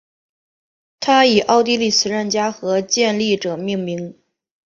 它以奥地利慈善家和建立者命名的。